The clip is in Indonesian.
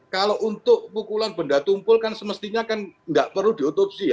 kalau untuk pukulan benda tumpul kan semestinya kan nggak perlu diotopsi ya